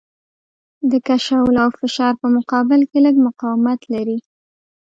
د کشولو او فشار په مقابل کې لږ مقاومت لري.